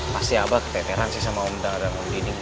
pasti abah keteteran sih sama om dangang undi ding